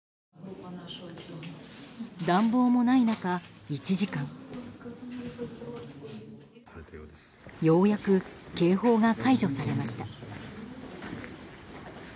ようやく警報が解除されました。